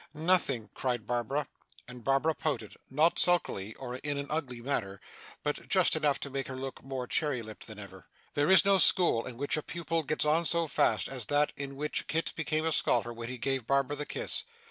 'Nothing,' cried Barbara. And Barbara pouted not sulkily, or in an ugly manner, but just enough to make her look more cherry lipped than ever. There is no school in which a pupil gets on so fast, as that in which Kit became a scholar when he gave Barbara the kiss.